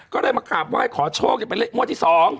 ก็ได้มากราบไหว้ขอโชคให้เป็นเลขงวดที่สอง